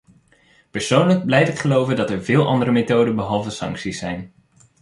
Persoonlijk blijf ik geloven dat er veel andere methoden behalve sancties zijn.